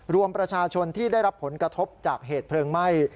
รวมประชาชนที่ได้รับผลกระทบจากเหตุเพลิงไหม้